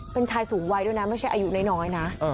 เป็นชายสูงวัยด้วยนะไม่ใช่อายุน้อยนะ